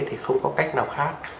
thì không có cách nào khác